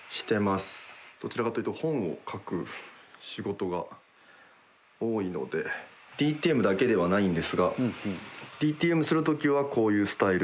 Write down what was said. どちらかというと本を書く仕事が多いのでＤＴＭだけではないんですがＤＴＭする時はこういうスタイルでやってます。